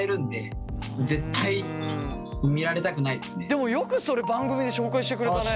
でもよくそれ番組で紹介してくれたね。